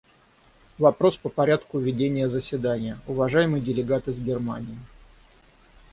Вопрос по порядку ведения заседания; уважаемый делегат из Германии.